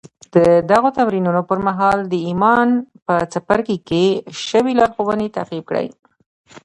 د دغو تمرينونو پر مهال د ايمان په څپرکي کې شوې لارښوونې تعقيب کړئ.